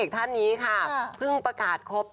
ตอนนะคะเพิ่งประกาศ